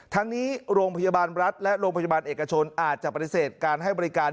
ทั้งนี้โรงพยาบาลรัฐและโรงพยาบาลเอกชนอาจจะปฏิเสธการให้บริการ